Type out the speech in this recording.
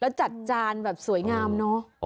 แล้วจัดจานแบบสวยงามเนอะ